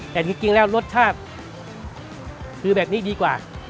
แต่จริงแล้วรสชาติคือแบบนี้ดีกว่า